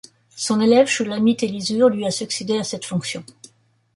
Son élève Shulamit Elizur lui a succédé à cette fonction.